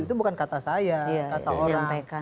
itu bukan kata saya kata orang